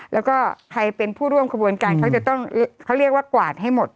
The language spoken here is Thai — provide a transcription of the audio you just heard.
แล้วก็ให้เป็นผู้ร่วมขบวนการเขาเรียกว่ากวาดให้หมด